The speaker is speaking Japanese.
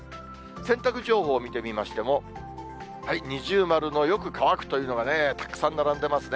洗濯情報を見てみましても、二重丸のよく乾くというのがたくさん並んでますね。